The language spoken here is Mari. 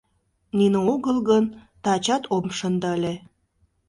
— Нине огыл гын, тачат ом шынде ыле...